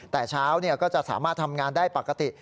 แต่เช้าก็จะสามารถทำงานได้ปกติ